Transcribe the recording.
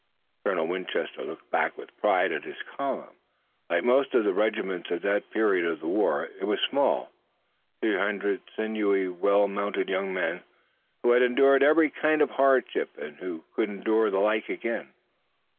Colonel Winchester looked back with pride at his column. Like most of the regiments at that period of the war it was small, three hundred sinewy well mounted young men, who had endured every kind of hardship and who could endure the like again.